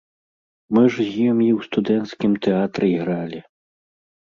Мы ж з ім і ў студэнцкім тэатры ігралі.